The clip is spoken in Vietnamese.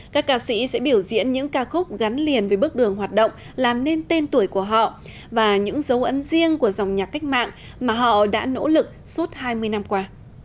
các ca sĩ sẽ biểu diễn những ca khúc gắn liền với bước đường hoạt động làm nên tên tuổi của họ và những dấu ấn riêng của dòng nhạc cách mạng mà họ đã nỗ lực suốt hai mươi năm qua